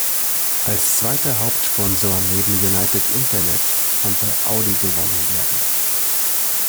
Als zweiter Hauptsponsor neben United Internet konnte Audi gewonnen werden.